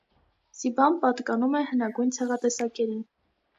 Սիբան պատկանում է հնագույն ցեղատեսակերին։